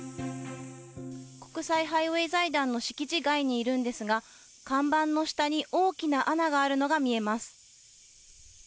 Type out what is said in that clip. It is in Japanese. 国際ハイウェイ財団の敷地外にいるんですが、看板の下に大きな穴があるのが見えます。